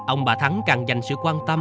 ông bà thắng càng dành sự quan tâm